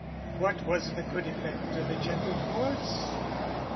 What was the good effect o' the gentle course?